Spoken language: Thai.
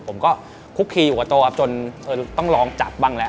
ผมก็คุกคียูกับโต๊ะจนต้องลองจัดบ้างแหละ